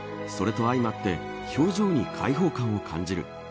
それと相まって表情に開放感を感じる。